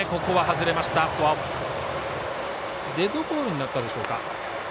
デッドボールになったでしょうか。